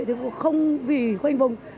thì không vì khoanh vùng